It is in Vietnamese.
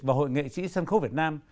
và hội nghệ sĩ sân khấu việt nam